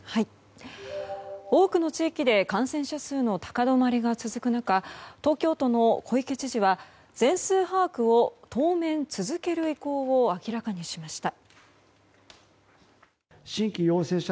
多くの地域で感染者数の高止まりが続く中東京都の小池知事は全数把握を当面続ける意向を明らかにしました。